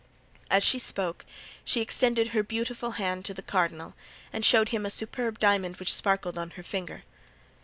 As she spoke she extended her beautiful hand to the cardinal and showed him a superb diamond which sparkled on her finger.